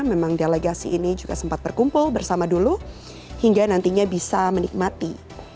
memang delegasi ini juga sempat berkumpul bersama dulu hingga nantinya bisa menikmati